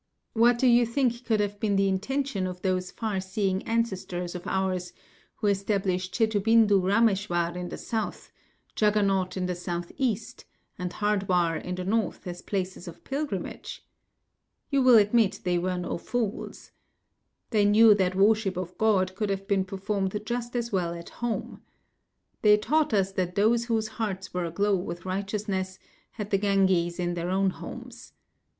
What do you think could have been the intention of those far seeing ancestors of ours who established Shethubindu Rameshwar in the South, Juggernaut in the South East and Hardwar in the North as places of pilgrimage? You will admit they were no fools. They knew that worship of God could have been performed just as well at home. They taught us that those whose hearts were aglow with righteousness had the Ganges in their own homes.